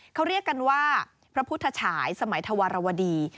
เขาเรียกกันว่าพระพุทธฉายสมัยธวรวดี